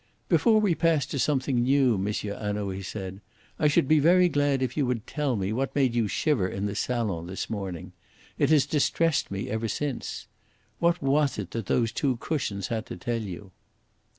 "Before we pass to something new, M. Hanaud," he said, "I should be very glad if you would tell me what made you shiver in the salon this morning. It has distressed me ever since. What was it that those two cushions had to tell you?"